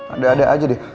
ada ada aja deh